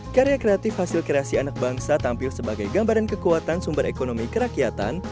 karya kreatif hasil kreasi anak bangsa tampil sebagai gambaran kekuatan sumber ekonomi kerakyatan